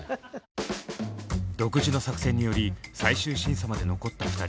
独自の作戦により最終審査まで残った２人。